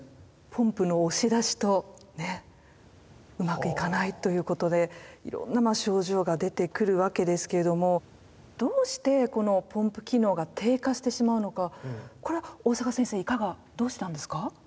ポンプの押し出しとねうまくいかないということでいろんなまあ症状が出てくるわけですけれどもどうしてこのポンプ機能が低下してしまうのかこれは大坂先生いかがどうしてなんですか？